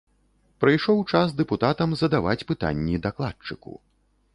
Прыйшоў час дэпутатам задаваць пытанні дакладчыку.